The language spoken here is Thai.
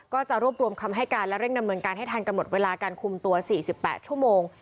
ก็จะรวบรวมคำให้การและเร่งดำเนินการให้ทันกำหนดเวลาการคุมตัว๔๘ชั่วโมง